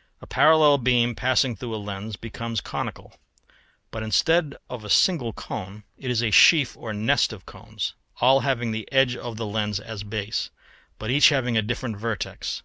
] A parallel beam passing through a lens becomes conical; but instead of a single cone it is a sheaf or nest of cones, all having the edge of the lens as base, but each having a different vertex.